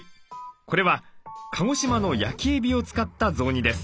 これは鹿児島の焼きえびを使った雑煮です。